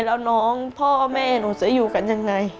แล้วน้องพ่อแม่หนูจะอยู่กันยังไง